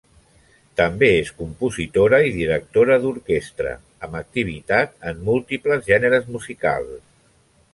També és compositora i directora d'orquestra, amb activitat en múltiples gèneres musicals.